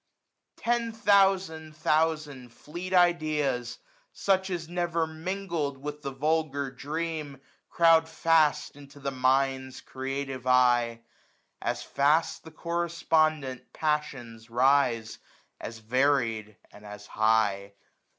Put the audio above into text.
Ten thousand thousand fleet ideas, such As never mingled with the vulgar dream. Crowd fast into the Mind's creative eye. As fast the correspondent passions rise, 1015 As varied, and as high.